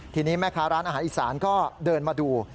ทีนี้แม่ค้าร้านอาหารอีสานก็เดินมาดู